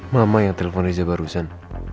mama yang telepon aja barusan